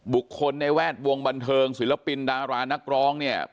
บุคคลในแวดวงบันเทิงศิลปินดารานักร้องเนี่ย